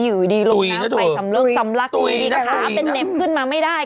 อยู่ดีลงน้ำไปสำเริกสำลักอยู่ดีขาเป็นเหน็บขึ้นมาไม่ได้